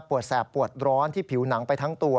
แสบปวดร้อนที่ผิวหนังไปทั้งตัว